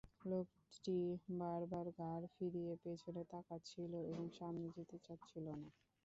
লোকটি বারবার ঘাড় ফিরিয়ে পেছনে তাকাচ্ছিল এবং সামনে যেতে চাচ্ছিল না।